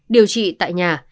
điều trị tại nhà